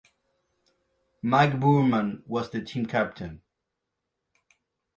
Mike Boorman was the team captain.